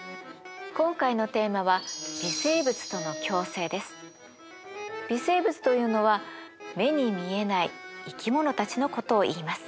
今回のテーマは微生物というのは目に見えない生き物たちのことをいいます。